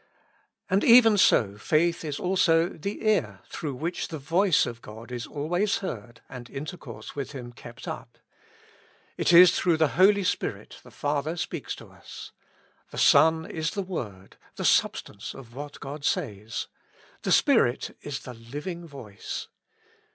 And even so faith is also the ear through which the voice of God is always heard and intercourse with Him kept up. It is through the Holy Spirit the Father speaks to us ; the Son is the Word, the sub stance of what God says; the Spirit is the living voice.